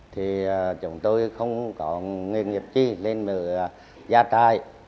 thì chúng tôi không có nguyên nghiệp chi lên mượn gia trại